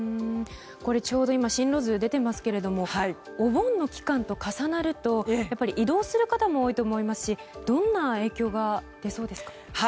ちょうど今進路図が出ていますがお盆の期間と重なると移動する方も多いと思いますしどんな影響が出そうですか。